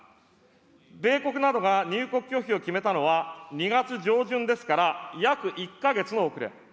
米国などが入国拒否を決めたのは２月上旬ですから、約１か月の遅れ。